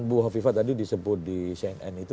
buhafifah tadi disebut di cnn itu